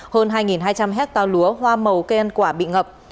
hơn hai hai trăm linh hectare lúa hoa màu cây ăn quả bị ngập